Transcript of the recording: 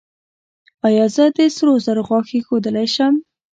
ایا زه د سرو زرو غاښ ایښودلی شم؟